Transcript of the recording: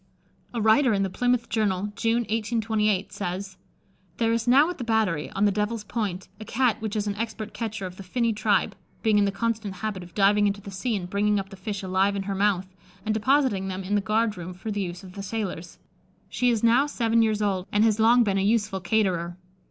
A writer in the Plymouth Journal, June 1828, says: "There is now at the battery, on the Devil's Point, a Cat which is an expert catcher of the finny tribe, being in the constant habit of diving into the sea and bringing up the fish alive in her mouth, and depositing them in the guard room for the use of the sailors. She is now seven years old, and has long been a useful caterer.